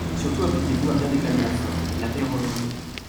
Surtout appliquez-vous à bien déclamer la fin, la péroraison.